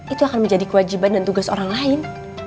itu akan menjadi kewajiban dan tugas orang lain